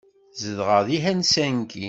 Zedɣeɣ deg Helsinki.